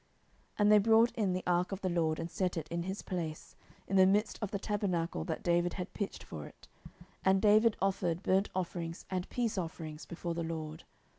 10:006:017 And they brought in the ark of the LORD, and set it in his place, in the midst of the tabernacle that David had pitched for it: and David offered burnt offerings and peace offerings before the LORD.